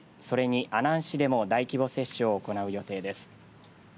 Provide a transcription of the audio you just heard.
それに阿南市でも大規模接種を行う予定です。